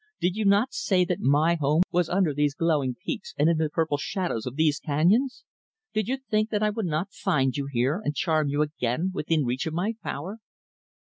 Did you not say that my home was under these glowing peaks, and in the purple shadows of these canyons? Did you think that I would not find you here, and charm you again within reach of my power?"